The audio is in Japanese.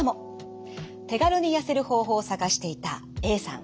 手軽に痩せる方法を探していたＡさん。